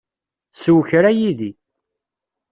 Sew kra yid-i.